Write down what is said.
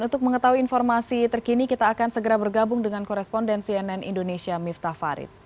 untuk mengetahui informasi terkini kita akan segera bergabung dengan koresponden cnn indonesia miftah farid